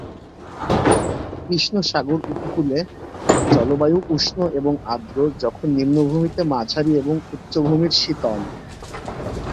কৃষ্ণ সাগর উপকূলে জলবায়ু উষ্ণ এবং আর্দ্র, যখন নিম্নভূমিতে মাঝারি এবং উচ্চভূমির শীতল।